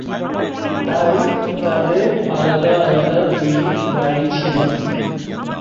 তাই তাদের আলাদা আলাদা দুইটি বাড়ি ছিল।